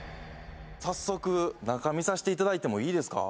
早速中見さしていただいてもいいですか？